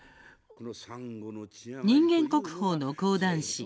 人間国宝の講談師